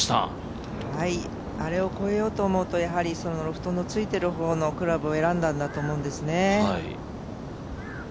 あれを越えようと思うとロフトのついている方のクラブを選んだんだと思うんですね。